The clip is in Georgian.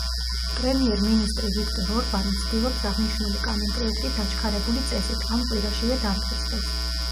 პრემიერ-მინისტრი ვიქტორ ორბანი ცდილობს აღნიშნული კანონპროექტი დაჩქარებული წესით, ამ კვირაშივე დამტკიცდეს.